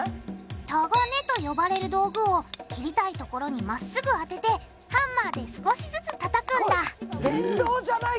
「タガネ」と呼ばれる道具を切りたいところにまっすぐあててハンマーで少しずつたたくんだ電動じゃない。